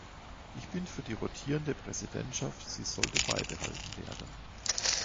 Ich bin für die rotierende Präsidentschaft, sie sollte beibehalten werden.